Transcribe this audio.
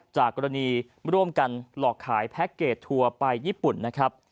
จากกรณีร่วมกันหลอกขายแพ็คเกจทัวร์ไปญี่ปุ่นนะครับ